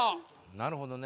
なるほどね。